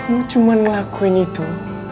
kamu cuma ngelakuin itu